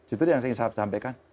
justru yang saya ingin sampaikan